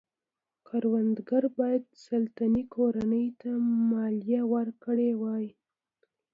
کروندګرو باید سلطنتي کورنۍ ته مالیه ورکړې وای.